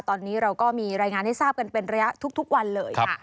ตอนนี้เราก็มีรายงานให้ทราบกันเป็นระยะทุกวันเลยค่ะ